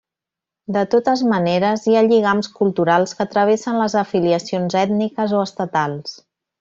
De totes maneres, hi ha lligams culturals que travessen les afiliacions ètniques o estatals.